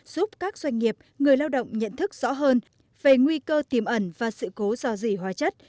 giúp các doanh nghiệp người lao động nhận thức rõ hơn về nguy cơ tiềm ẩn và sự cố do dỉ hóa chất